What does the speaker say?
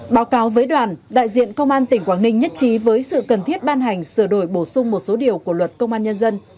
báo cáo với đoàn đại diện công an tỉnh quảng ninh nhất trí với sự cần thiết ban hành sửa đổi bổ sung một số điều của luật công an nhân dân